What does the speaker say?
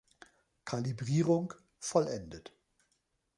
Kalibrierung vollendet.